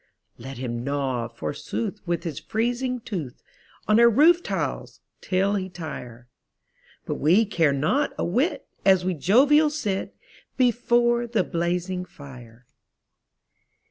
Let him gnaw, forsooth, with his freezing tooth, On our roof tiles, till he tire ; But we care not a whit, as we jovial sit Before the blazing fire.